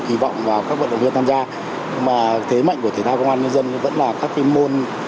kỳ vọng vào các vận động viên tham gia mà thế mạnh của thể thao công an nhân dân vẫn là các cái môn